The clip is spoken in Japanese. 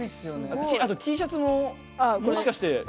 あとＴシャツももしかして？